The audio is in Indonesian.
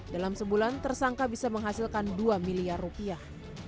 dalam sebulan tersangka bisa menghasilkan dua miliar rupiah